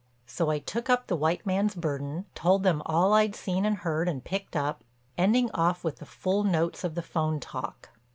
So I took up the white man's burden, told them all I'd seen and heard and picked up, ending off with the full notes of the 'phone talk.